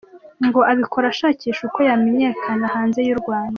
Ngo abikora ashakisha uko yamenyakana hanze y’u Rwanda.